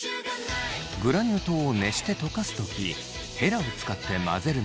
グラニュー糖を熱して溶かす時ヘラを使って混ぜるのはＮＧ！